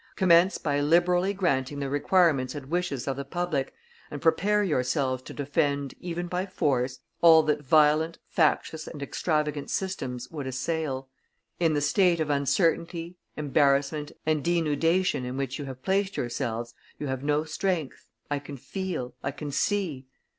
Commence by liberally granting the requirements and wishes of the public, and prepare yourselves to defend, even by force, all that violent, factious, and extravagant systems would assail. In the state of uncertainty, embarrassment, and denudation in which you have placed yourselves, you have no strength, I can feel, I can see.